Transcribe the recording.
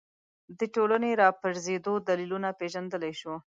د ټولنې راپرځېدو دلیلونه پېژندلی شو